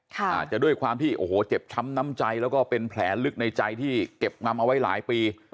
อาจจะด้วยความที่โอ้โหเจ็บช้ำน้ำใจแล้วก็เป็นแผลลึกในใจที่เก็บงำเอาไว้หลายปี